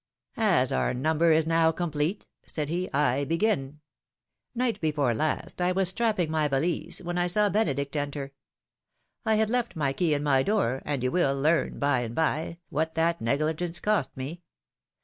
^^As our number is now complete,^^ said he, I begin : Night before last I w^as strapping my valise, when I saw Benedict enter; I had left my key in my door, and you will learn, by and by, what that negligence cost me